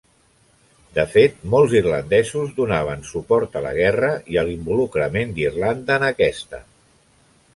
De fet, molts irlandesos donaven suport a la guerra i a l'involucrament d'Irlanda en aquesta.